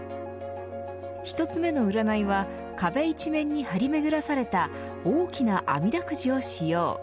１つ目の占いは壁一面に張り巡らされた大きなあみだくじを使用。